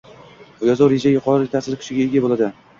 Yovuz reja yuqori taʼsir kuchiga ega boʻladi